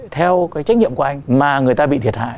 theo cái trách nhiệm của anh mà người ta bị thiệt hại